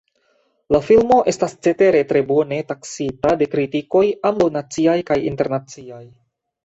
La filmo estas cetere tre bone taksita de kritikoj ambaŭ naciaj kaj internaciaj.